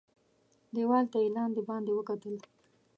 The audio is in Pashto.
دېوال ته یې لاندي باندي وکتل .